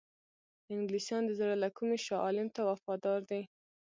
انګلیسیان د زړه له کومي شاه عالم ته وفادار دي.